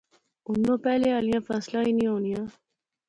ہُن اوہ پہلے آلیاں فصلاں ہی نی ہونیاں